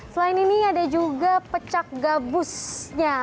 selain ini ada juga pecak gabusnya